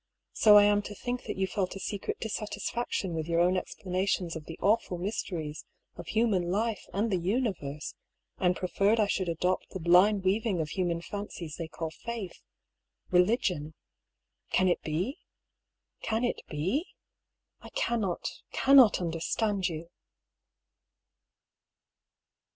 So I am to think that you felt a secret dis satisfaction with your own explanations of the awful mysteries of human life and the universe, and preferred I should adopt the blind weaving of human fancies they call faith — religion. Can it be? Can it be? I cannot, cannot understand you.